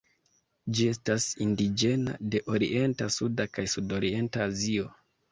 Ĝi estas indiĝena de Orienta, Suda kaj Sudorienta Azio.